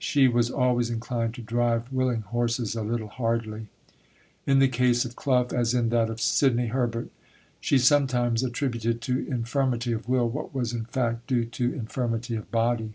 She was always inclined to drive willing horses a little hardly. In the case of Clough, as in that of Sidney Herbert, she sometimes attributed to infirmity of will what was in fact due to infirmity of body.